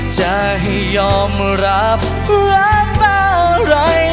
จะให้ยอมรับรับบ้าอะไร